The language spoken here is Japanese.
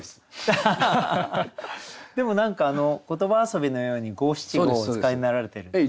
でも何か言葉遊びのように五七五をお使いになられてるっていう。